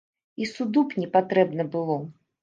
І суду б не патрэбна было.